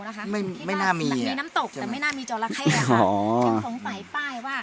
นะคะไม่ไม่น่ามีมีน้ำตกแต่ไม่น่ามีจรเข้าอ๋อที่สงสัยป้ายว่า